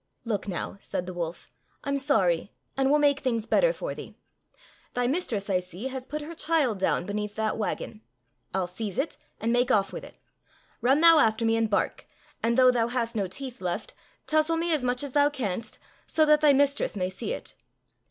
—" Look now," said the wolf, ''I'm sorry, and will make things better for thee. Thy mistress, I see, has put her child down beneath that wagon. I'll seize it, and make off with it. Run thou after me and bark, and though thou hast no teeth left, touzle me as much as thou canst, so that thy mistress may see it."